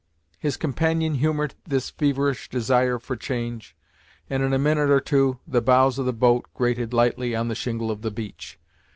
His companion humoured this feverish desire for change, and, in a minute or two, the bows of the boat grated lightly on the shingle of the beach.